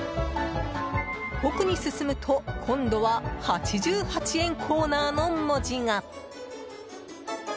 奥に進むと、今度は「８８円コーナー」の文字が。